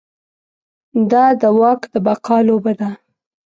دا د واک د بقا لوبه ده.